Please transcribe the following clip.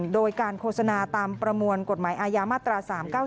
โดยการโฆษณาตามประมวลกฎหมายอาญามาตรา๓๙๙